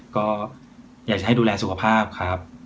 ก็อยากจะให้ดูแลสุขภาพครับ